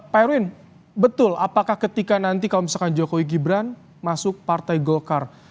pak erwin betul apakah ketika nanti kalau misalkan jokowi gibran masuk partai golkar